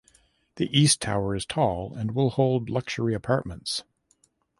The East Tower is tall and will hold luxury apartments.